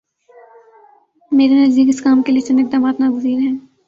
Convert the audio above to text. میرے نزدیک اس کام کے لیے چند اقدامات ناگزیر ہیں۔